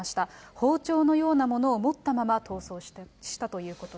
包丁のようなものを持ったまま逃走したということです。